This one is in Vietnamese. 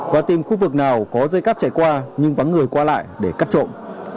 và tìm khu vực nào có dây cắp chạy qua nhưng vắng người qua lại để cắt trộm